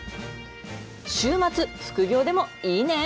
週末、副業でもいいねん。